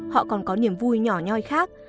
họ còn có niềm vui nhỏ nhoi khác